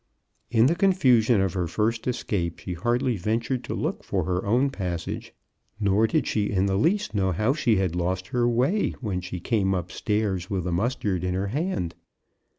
In the confusion of her first escape she hardly ventured to look for her own passage — nor did she in the least know how she had lost her way 28 CHRISTMAS AT THOMPSON HALL. when she came up stairs with the mustard in her hand.